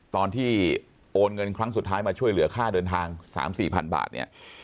ตอนที่โอนเงินครั้งสุดท้ายมาช่วยเหลือค่าเดินทาง๓๔พันบาทเนี่ย